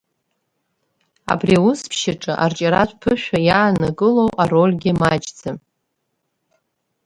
Абри аус ԥшьаҿы арҿиаратә ԥышәа иааннакылоу арольгьы маҷӡам.